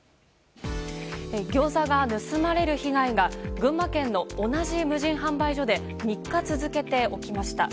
ギョーザが盗まれる被害が群馬県の同じ無人販売所で３日か続けて起きました。